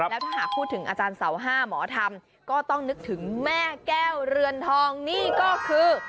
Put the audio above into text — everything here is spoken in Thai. แล้วถ้าหากพูดถึงอาจารย์เสาห้าหมอธรรมก็ต้องนึกถึงแม่แก้วเรือนทองนี่ก็คือ